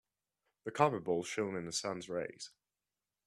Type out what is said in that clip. The copper bowl shone in the sun's rays.